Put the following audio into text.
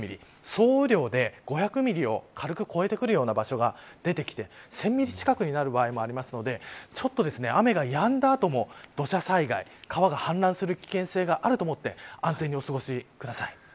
総雨量で５００ミリを軽く超えてくるような場所が出てきて１０００ミリ近くになる場合もあるのでちょっと雨がやんだ後も土砂災害、川が氾濫する危険性があると思って安全にお過ごしください。